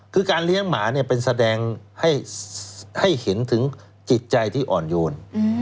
คือการเลี้ยงหมาเนี่ยเป็นแสดงให้เห็นถึงจิตใจที่อ่อนโยน